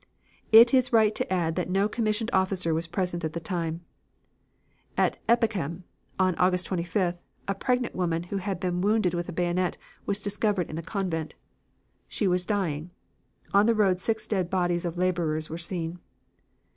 It is right to add that no commissioned officer was present at the time. At Eppeghem, on August 25th, a pregnant woman who had been wounded with a bayonet was discovered in the convent. She was dying. On the road six dead bodies of laborers were seen.